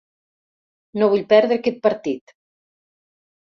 No vull perdre aquest partit.